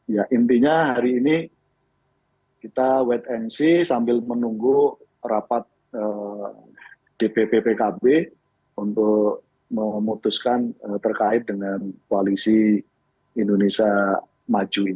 ya intinya hari ini kita wait and see sambil menunggu rapat dpp pkb untuk memutuskan terkait dengan koalisi indonesia maju